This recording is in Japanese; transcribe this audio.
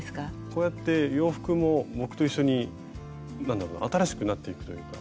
こうやって洋服も僕と一緒になんだろうな新しくなっていくというか。